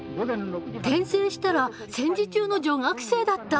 転生したら戦時中の女学生だった。